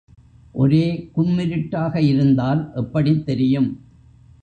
ஒரே கும்மிருட்டாக இருந்தால் எப்படித் தெரியும்?